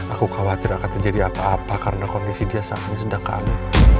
aku khawatir akan terjadi apa apa karena kondisi dia saat ini sedang kami